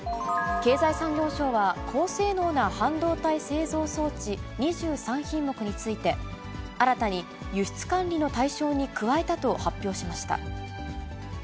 経済産業省は、高性能な半導体製造装置、２３品目について、新たに輸出管理の対象に加えたと発表しました。